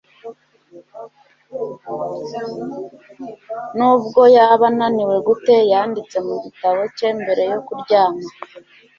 Nubwo yaba ananiwe gute yanditse mu gitabo cye mbere yo kuryama